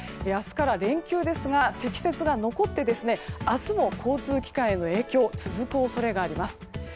明日から連休ですが積雪が残って明日も交通機関への影響が続く恐れがあります。